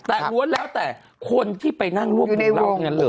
แต่ล้วนแล้วแต่คนที่ไปนั่งร่วมวงเล่าทั้งนั้นเลย